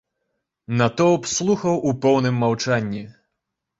Натоўп слухаў у поўным маўчанні.